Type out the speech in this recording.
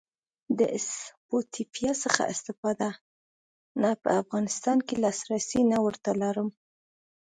د سپوټیفای څخه استفاده؟ نه په افغانستان کی لاسرسی نه ور ته لرم